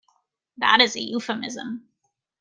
That is a euphemism.